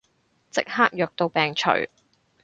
即刻藥到病除